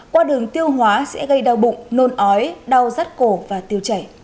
qua đường tiêu hóa sẽ gây đau bụng nôn ói đau rắt cổ và tiêu chảy